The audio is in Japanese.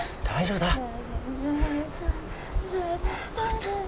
大丈夫だ。